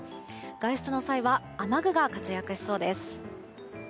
外出の際は雨具が活躍しそうです。